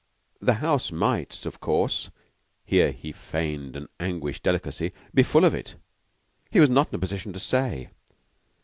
The house might, of course here he feigned an anguished delicacy be full of it. He was not in a position to say.